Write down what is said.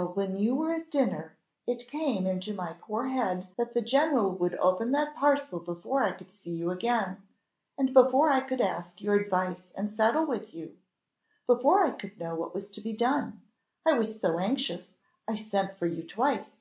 "Well! when you were at dinner, it came into my poor head that the general would open that parcel before I could see you again, and before I could ask your advice and settle with you before I could know what was to be done. I was so anxious, I sent for you twice."